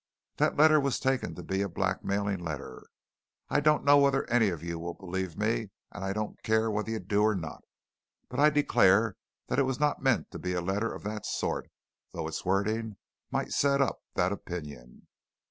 That letter was taken to be a blackmailing letter I don't know whether any of you will believe me, and I don't care whether you do or not, but I declare that it was not meant to be a letter of that sort, though its wording might set up that opinion.